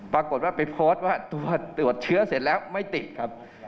ปรากฏว่าไปโพสต์ว่าตรวจเชื้อเสร็จแล้วไม่ติดครับ